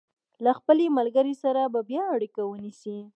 له خپلې ملګرې سره به بیا اړیکه ونیسي.